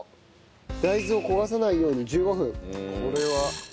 大豆を焦がさないように１５分煎る。